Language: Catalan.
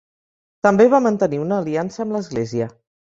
També va mantenir una aliança amb l'Església.